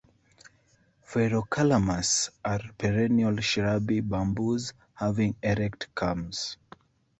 "Ferrocalamus" are perennial shrubby bamboos having erect culms.